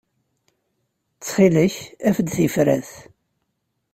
Ttxil-k, af-d tifrat.